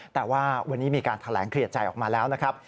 แต่ว่าวันนี้มีการแถลงเคลียร์ใจออกมาแล้วนะครับ